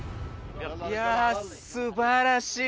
いやすばらしい！